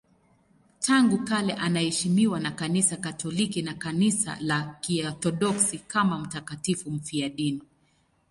Tangu kale anaheshimiwa na Kanisa Katoliki na Kanisa la Kiorthodoksi kama mtakatifu mfiadini.